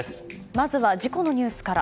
まずは事故のニュースから。